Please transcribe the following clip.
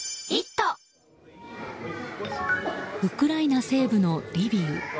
ウクライナ西部のリビウ。